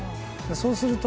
そうすると。